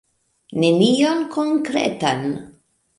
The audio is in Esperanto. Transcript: Nenion konkretan!